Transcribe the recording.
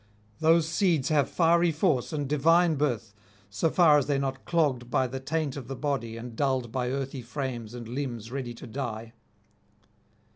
Those seeds have fiery force and divine birth, so far as they are not clogged by taint of the body and dulled by earthy frames and limbs ready to die.